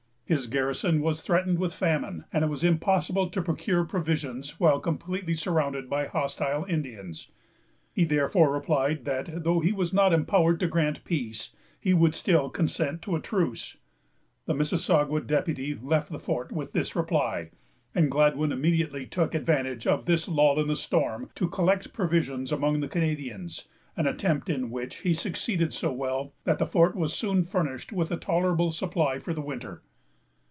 His garrison was threatened with famine, and it was impossible to procure provisions while completely surrounded by hostile Indians. He therefore replied, that, though he was not empowered to grant peace, he would still consent to a truce. The Mississauga deputy left the fort with this reply, and Gladwyn immediately took advantage of this lull in the storm to collect provisions among the Canadians; an attempt in which he succeeded so well that the fort was soon furnished with a tolerable supply for the winter.